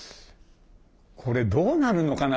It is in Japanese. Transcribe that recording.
これどうなるのかな？